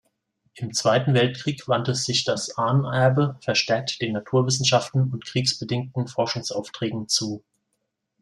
Im Zweiten Weltkrieg wandte sich „Das Ahnenerbe“ verstärkt den Naturwissenschaften und kriegsbedingten Forschungsaufträgen zu.